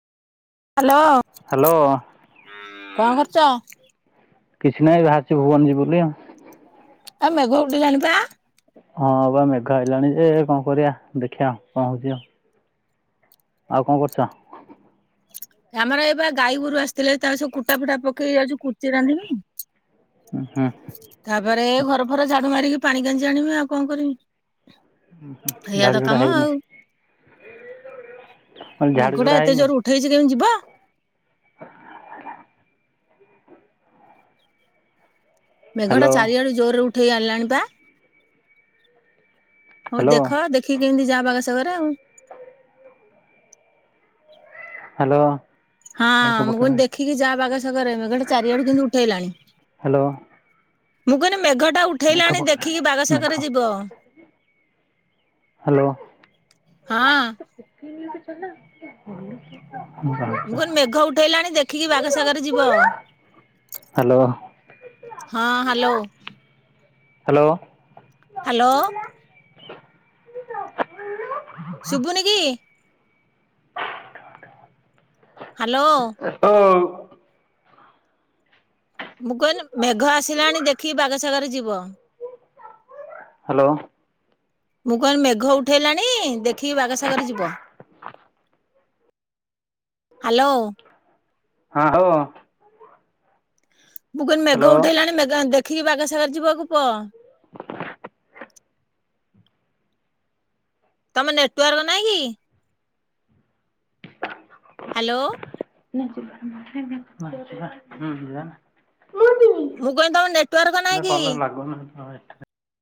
Hello. Hello. କଣ କରୁଛ? କିଛି ନାହିଁ ବାହାରୁଛି ଭୁବନ ଯିବି ବୋଲି ଆଉ। ଏ ମେଘ ଉଠିଲାଣି ପା। ହଁ ବା ମେଘ ଆଇଲାଣି ଯେ କଣ କରିବା ଦେଖିଆ କଣ ହୋଉଛି ଆଉ? ଆଉ କଣ କରୁଛ? ଆମର ଏ ପା ଗାଈ ଗୋରୁ ଆସିଥିଲେ ତାର ସେ କୁଟା ଫୁଟା ପକେଇ ଯାଉଚି କୁର୍ତ୍ତିୀ ରାନ୍ଧିମି। ଉଁ, ହୁଁ। ତାପରେ ଏ ଘର ଫର ଝାଡୁ ମାରିକି ପାଣି କାଞ୍ଜି ଆଣିମି, ଆଉ କଣ କରିମି। ହେୟା ତ ଝାଡ଼ୁଝୁଡ଼ା କାମ ହେଇନି ଆଉ। ମେଘଟା ଝାଡ଼ୁଝୁଡ଼ା ଏତେ ହେଇନି ଜୋରେ ଉଠେଇଛି କେମିତି ଯିବ। ମେଘଟା ହ୍ୟାଲୋ ଚାରିଆଡ଼ୁ ଜୋରରେ ଉଠାଇ ଆଣିଲାଣି ପା। ହଉ ହ୍ୟାଲୋ ଦେଖ, ଦେଖିକି କେମିତି ଯା ବାଗ ସାଗରେ ଆଉ। ହ୍ୟାଲୋ। ହଁ, ମେଘ ମୁଁ କହିଲି ପକେଇଲାଣି ଦେଖିକି ଯା ବାଗ ସାଗରେ ମେଘଟା ଚାରିଆଡୁ କିନ୍ତୁ ଉଠେଇଲାଣି। ହ୍ୟାଲୋ ମୁଁ କହିଲି ମେଘ ଟା ମେଘ ଉଠେଇଲାଣି ପକେଇଲାଣି ଦେଖିକି ବାଗ ମେଘ ସାଗରେ ଯିବ। ହ୍ୟାଲୋ। ହଁ ହ୍ୟାଲୋ ମୁଁ କହିଲି ମେଘ ଉଠେଇଲାଣି ଦେଖିକି ବାଗ ସାଗରେ ଯିବ। ହ୍ୟାଲୋ ହଁ, ହ୍ୟାଲୋ। ହ୍ୟାଲୋ। ହ୍ୟାଲୋ। ଶୁବୁନି କି? ହ୍ୟାଲୋ। ଅ ଅଉ ମୁଁ କହିଲି ମେଘ ଆସିଲାଣି ଦେଖିକି ବାଗସାଗରେ ଯିବ। ହ୍ୟାଲୋ। ମୁଁ କହିନି ମେଘ ଉଠେଇଲାଣି ଦେଖିକି ବାଗସାଗର ଯିବ। ହ୍ୟାଲୋ। ହଁ, ହାଲୋ। ମୁଁ କହିଲି ମେଘ ଉଠେଇଲାଣି ମେଘ ଦେଖିକି ବାଗସାଗର ଯିବଗୋ ପୁଅ। ତମ ନେଟୱାର୍କ ନାହିଁ କି? ହ୍ୟାଲୋ। ମୁଁ କହିଲି ତମ ନେଟୱାର୍କ ନାହିଁ ଯେ କି? କଲ ଲାଗୁନହି ତେ [unintelligible]